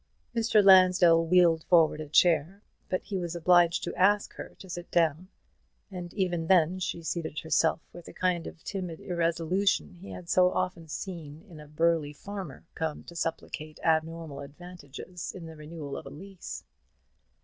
Mr. Lansdell wheeled forward a chair, but he was obliged to ask her to sit down; and even then she seated herself with the kind of timid irresolution he had so often seen in a burly farmer come to supplicate abnormal advantages in the renewal of a lease.